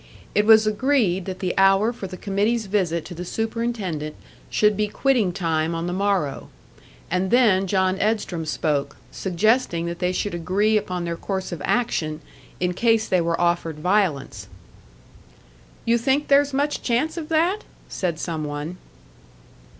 It was agreed that the hour for the committee's visit to the superintendent should be quitting time on the morrow. And then John Edstrom spoke, suggesting that they should agree upon their course of action in case they were offered violence. "You think there's much chance of that?" said some one.